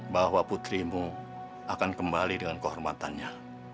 bahwa putrimu akan kembali dengan kehormatannya